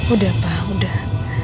udah pak udah